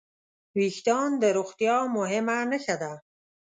وېښتيان د روغتیا مهمه نښه ده.